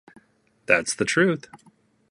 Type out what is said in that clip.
That's the truth.